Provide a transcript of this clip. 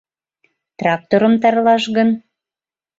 Тракторым тарлаш гын?